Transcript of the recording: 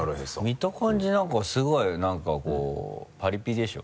見た感じなんかすごいなんかパリピでしょ？